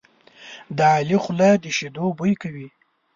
د علي خوله د شیدو بوی کوي.